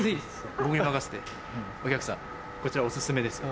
僕に任せてお客さんこちらお薦めですよ。